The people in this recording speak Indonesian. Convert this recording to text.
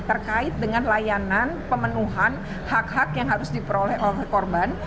terkait dengan layanan pemenuhan hak hak yang harus diperoleh oleh korban